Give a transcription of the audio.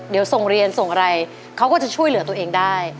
เดี๋ยวส่งเรียนส่งอะไรเขาก็จะช่วยเหลือตัวเองได้